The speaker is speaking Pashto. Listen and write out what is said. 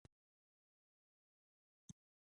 مصنوعي ځیرکتیا د انساني تېروتنو کچه راکموي.